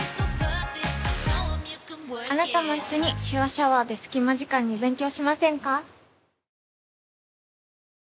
あなたも一緒に「手話シャワー」で隙間時間に勉強しませんか？